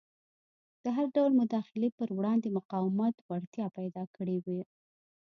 د هر ډول مداخلې پر وړاندې مقاومت وړتیا پیدا کړې وه.